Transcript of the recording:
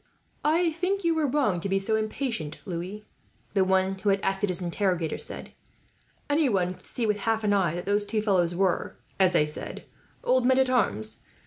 "I think you are wrong to be so impatient, Louis," the one who had acted as interrogator said. "Anyone could see, with half an eye, that those two fellows were, as they said, old men at arms.